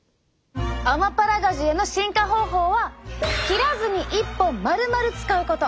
アマパラガジュへの進化方法は切らずに１本まるまる使うこと。